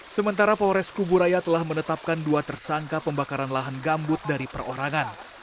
sementara polres kuburaya telah menetapkan dua tersangka pembakaran lahan gambut dari perorangan